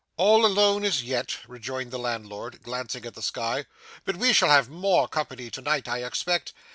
'All alone as yet,' rejoined the landlord, glancing at the sky, 'but we shall have more company to night I expect.